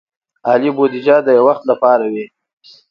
عادي بودیجه د یو وخت لپاره وي.